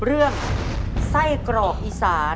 เรื่องไส้กรอกอีสาน